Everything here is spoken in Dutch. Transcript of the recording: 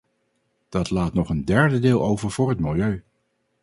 Dat laat nog een derde deel over voor het milieu.